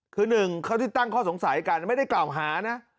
คือหนึ่งเขาที่ตั้งข้อสงสัยกันไม่ได้กล่าวหานะ